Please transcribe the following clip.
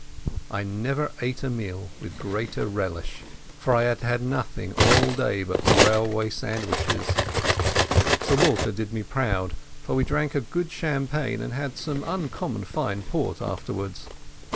I never ate a meal with greater relish, for I had had nothing all day but railway sandwiches. Sir Walter did me proud, for we drank a good champagne and had some uncommon fine port afterwards.